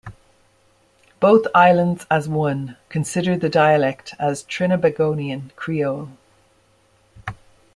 Both islands as one consider the dialect as Trinbagonian Creole.